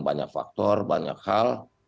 banyak faktor banyak hal